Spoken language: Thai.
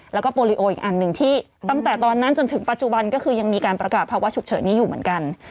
แล้วก็โปรลิโออีกอันหนึ่งที่ตั้งแต่ตอนนั้นจนถึงปัจจุบันก็คือยังมีการประกาศภาวะฉุกเฉินนี้อยู่เหมือนกัน